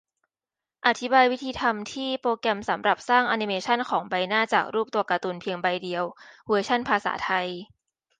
อธิบายวิธีทำที่ "โปรแกรมสำหรับสร้างอนิเมชันของใบหน้าจากรูปตัวการ์ตูนเพียงใบเดียว เวอร์ชันภาษาไทย"